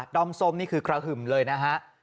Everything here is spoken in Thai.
อมส้มนี่คือกระหึ่มเลยนะฮะ